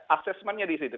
assessmentnya di situ